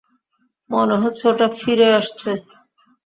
মনে হচ্ছে, ওটা ফিরে আসছে!